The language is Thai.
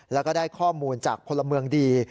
แล้วก็ได้ข้อมูลจากพลเมืองดี